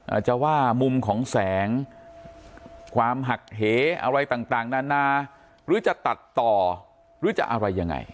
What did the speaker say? อาจจะว่ามุมของแสงความหักเหอะไรต่างนานาหรือจะตัดต่อหรือจะอะไรยังไง